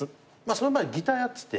その前にギターやってて。